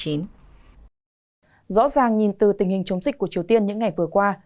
rõ ràng nhìn từ tình hình chống dịch của triều tiên những ngày vừa qua